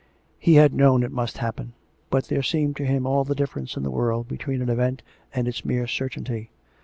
He had known it must happen; but there seemed to him all the difference in the world between an event and its mere certainty.